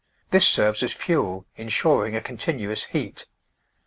This serves as fuel, insuring a continuous heat.